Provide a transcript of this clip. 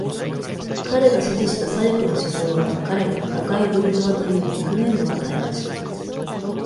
彼が支持した左翼の思想は彼に「赤いブルジョワ」というニックネームを与えました。